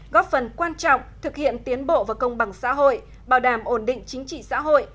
góp phần quan trọng thực hiện tiến bộ và công bằng xã hội bảo đảm ổn định chính trị xã hội